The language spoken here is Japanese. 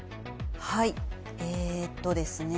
はいえとですね